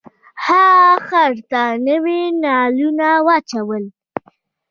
هغه خر ته نوي نالونه واچول.